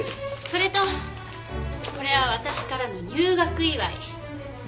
それとこれはわたしからの入学祝い。